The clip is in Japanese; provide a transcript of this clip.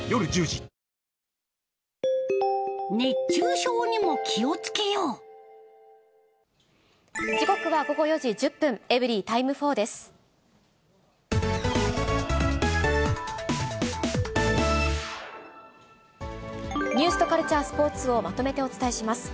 時刻は午後４時１０分、エブリィタイム４です。